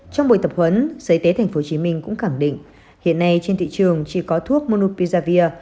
trong buổi tập huấn sở y tế tp hcm cũng khẳng định hiện nay trên thị trường chỉ có thuốc monopizavir